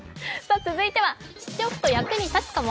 続いては、ちょっと役にたつかも？